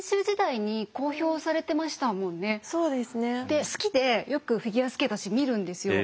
で好きでよくフィギュアスケート私見るんですよ。